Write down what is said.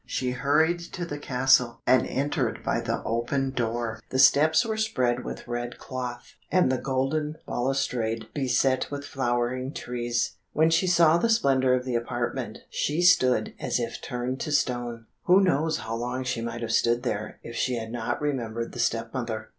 She hurried to the castle, and entered by the open door. The steps were spread with red cloth, and the golden balustrade beset with flowering trees. When she saw the splendour of the apartment, she stood as if turned to stone. Who knows how long she might have stood there if she had not remembered the step mother?